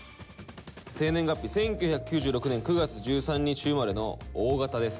生年月日１９９６年９月１３日生まれのＯ型です。